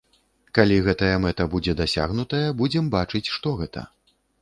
Калі гэтая мэта будзе дасягнутая, будзем бачыць, што гэта.